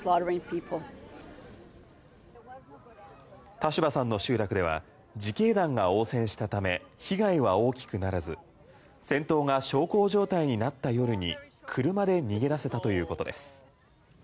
タシュバさんの集落では自警団が応戦したため被害は大きくならず戦闘が小康状態になった夜に車で逃げ出せたということです。